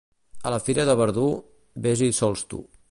A la fira de Verdú, ves-hi sols tu.